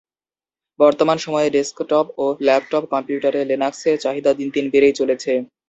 বর্তমান সময়ে ডেস্কটপ ও ল্যাপটপ কম্পিউটারে লিনাক্সের চাহিদা দিন দিন বেড়েই চলেছে।